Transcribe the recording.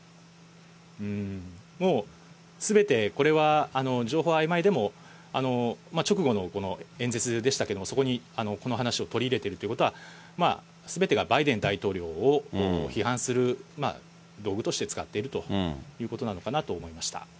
もうすべてこれは情報があいまいでも、直後の演説でしたけれども、そこにこの話を取り入れてるということは、すべてがバイデン大統領を、批判する道具として使っているということなのかなと思いました。